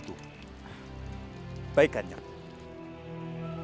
dan menjadikan ladang jagung itu